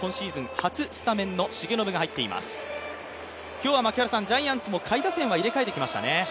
今日はジャイアンツも下位打線は入れ替えてきましたね。